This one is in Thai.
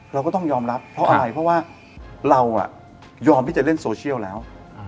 เราก็ต้องยอมรับเพราะอะไรเพราะว่าเรายอมที่จะเล่นโซเชียลแล้ว